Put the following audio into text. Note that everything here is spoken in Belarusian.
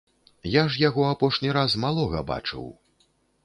Я ж яго апошні раз малога бачыў!